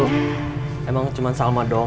sumpah emang cuma salma dong